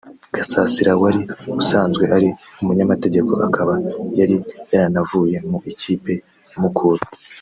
Gasasira wari usanzwe ari umunyamategeko akaba yari yaranavuye mu ikipe ya Mukura